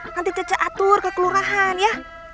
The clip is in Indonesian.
nanti keca atur ke kelurahan ya